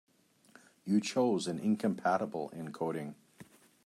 You chose an incompatible encoding.